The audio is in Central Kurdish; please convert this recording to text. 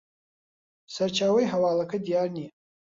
سەرچاوەی هەواڵەکە دیار نییە